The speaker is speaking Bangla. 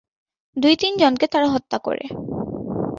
দুই-তিনজনকে তারা হত্যা করে।